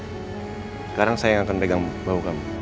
sekarang saya yang akan pegang bahu kamu